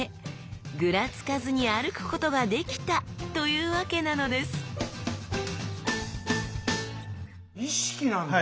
グラつかずに歩くことができた！というわけなのです意識なんだ！